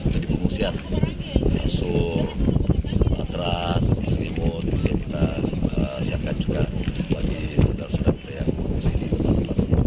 jadi pengungsian kasur atras selimut itu kita siapkan juga bagi saudara saudara yang pengungsian